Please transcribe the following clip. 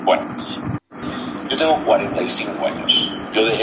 Ratas a la carrera: En este caso, participarán en equipos de dos personas.